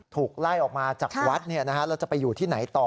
ถูกไล่ออกมาจากวัดแล้วจะไปอยู่ที่ไหนต่อ